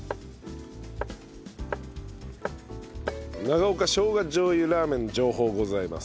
長岡生姜醤油ラーメンの情報ございます。